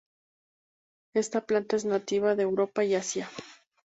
Esta planta es nativa de Europa y Asia.